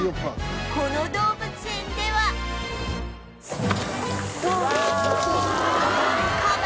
この動物園ではわあ！